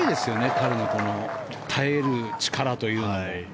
彼の耐える力というのは。